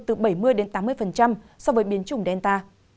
từ bảy mươi tám mươi so với biến chủng delta